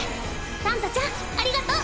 タントちゃんありがとう！